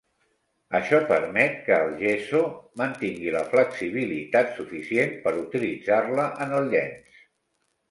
Això permet que el "gesso" mantingui la flexibilitat suficient per utilitzar-la en el llenç.